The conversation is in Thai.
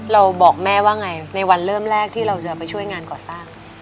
บอกแม่ว่าไงในวันเริ่มแรกที่เราจะไปช่วยงานก่อสร้าง